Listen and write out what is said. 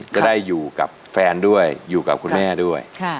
จะได้อยู่กับแฟนด้วยอยู่กับคุณแม่ด้วย